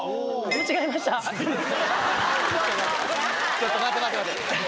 ちょっと待って待って！